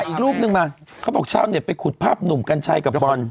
อีกรูปนึงมาเขาบอกชาวเน็ตไปขุดภาพหนุ่มกัญชัยกับบอล